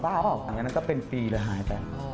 แบบนั้นก็เป็นปีเลยหายไป